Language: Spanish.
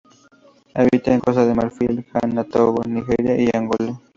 Habita en Costa de Marfil, Ghana, Togo, Nigeria y Angola.